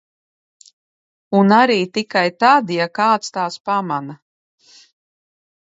Un arī tikai tad, ja kāds tās pamana.